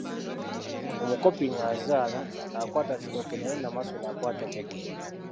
Omukopi ng’azaala, akwata kitooke naye Namasole akwata Muvule.